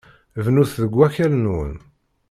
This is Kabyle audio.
Bnut deg wakal-nwen.